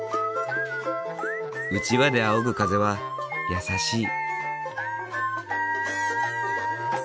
うちわであおぐ風はやさしい。